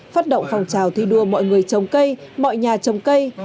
phát động phòng trào thi đua mọi người trồng cây mọi nhà trồng cây